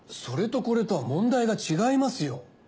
それとこれとは問題が違いますよ。